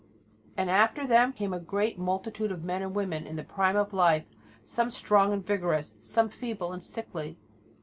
After them came a great multitude of men and women in the prime of life, some strong and vigorous, some feeble and sickly.